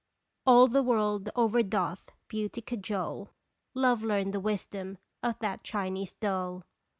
All the world over doth Beauty cajole, Love learn the wisdom of that Chinese dole